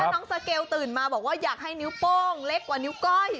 น้องสเกลตื่นมาบอกว่าอยากให้นิ้วโป้งเล็กกว่านิ้วก้อย